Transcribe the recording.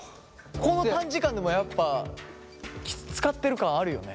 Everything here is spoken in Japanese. この短時間でもやっぱ使ってる感あるよね？